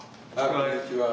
こんにちは。